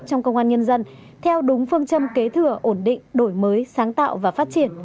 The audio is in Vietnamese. trong công an nhân dân theo đúng phương châm kế thừa ổn định đổi mới sáng tạo và phát triển